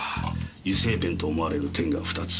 油性ペンと思われる点が２つ。